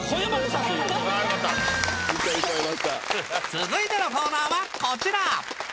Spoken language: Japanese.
続いてのコーナーはこちら！